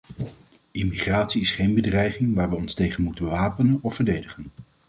Immigratie is geen bedreiging, waar we ons tegen moeten wapenen of verdedigen.